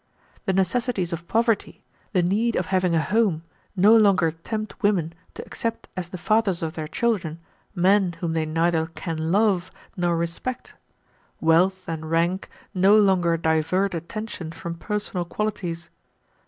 The necessities of poverty, the need of having a home, no longer tempt women to accept as the fathers of their children men whom they neither can love nor respect. Wealth and rank no longer divert attention from personal qualities.